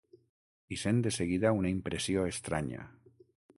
Hi sent de seguida una impressió estranya.